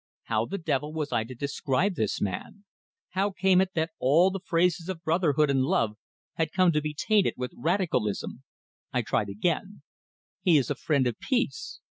How the devil was I to describe this man? How came it that all the phrases of brotherhood and love had come to be tainted with "radicalism"? I tried again: "He is a friend of peace."